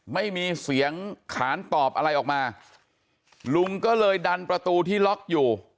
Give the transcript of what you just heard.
ไม่มีเสียงขานตอบอะไรออกมาลุงก็เลยดันประตูที่ล็อกอยู่